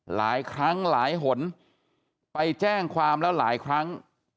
หลายครั้งหลายหนไปแจ้งความแล้วหลายครั้ง